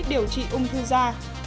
điều trị ung thư da